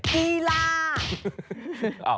ลีลา